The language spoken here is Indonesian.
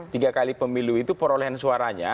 tiga kali pemilu itu perolehan suaranya